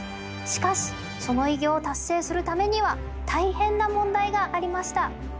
しかしその偉業を達成するためには大変な問題がありました。